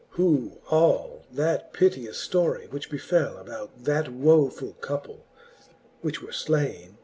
XXXI. who all that piteous florie, which befell About that vvoful couple, which were flalne.